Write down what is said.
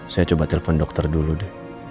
saya coba telepon dokter dulu deh